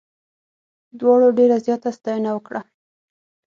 دواړو ډېره زیاته ستاینه وکړه.